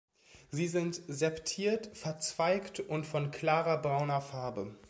Sie sind septiert, verzweigt und von klarer brauner Farbe.